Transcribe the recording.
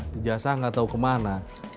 dijasah gak tau kemana